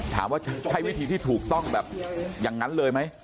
ถามว่าใช้วิธีที่ถูกต้องแบบอย่างนั้นเลยไหม